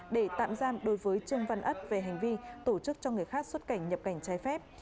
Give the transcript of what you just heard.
để tạm giam đối với trương văn ất về hành vi tổ chức cho người khác xuất cảnh nhập cảnh trái phép